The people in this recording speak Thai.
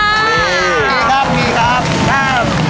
นี่ครับนี่ครับ